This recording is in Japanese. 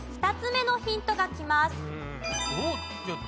２つ目のヒントがきます。